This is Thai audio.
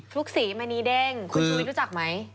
ฟลุ๊กศรีมะนีเด้งคุณชูวิรู้จักไหม